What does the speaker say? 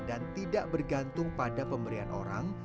dan tidak bergantung pada pemberian orang